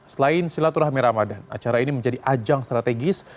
selain silaturahmi ramadan acara ini menjadi ajang strategis